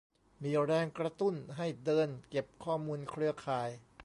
มีแรงกระตุ้นให้เดิน เก็บข้อมูลเครือข่าย